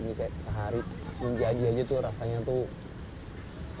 ini sehari minggi aja aja tuh rasanya tuh